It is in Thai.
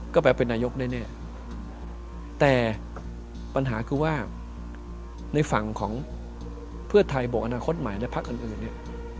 ก็ไปเป็นนายกแน่แต่ปัญหาคือว่าในฝั่งของเพื่อไทยบวกอนาคตใหม่และพักอื่นเนี่ย